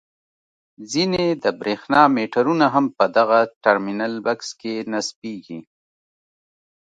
ځینې د برېښنا میټرونه هم په دغه ټرمینل بکس کې نصبیږي.